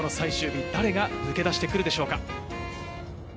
最終日、誰が抜け出してくるでしょうか。